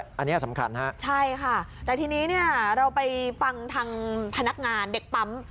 อันนี้สำคัญฮะใช่ค่ะแต่ทีนี้เนี่ยเราไปฟังทางพนักงานเด็กปั๊ม